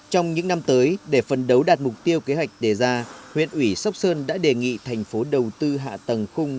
trong những năm tới để phân đấu đạt mục tiêu kế hoạch đề ra huyện ủy sóc sơn đã đề nghị thành phố đầu tư hạ tầng khung